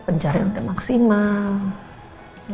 penjaraan sudah maksimal